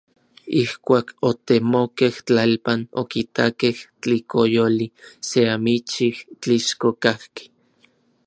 Ijkuak otemokej tlalpan, okitakej tlikoyoli, se amichij tlixko kajki.